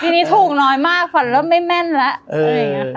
ปีนี้ถูกน้อยมากฝันเริ่มไม่แม่นแล้ว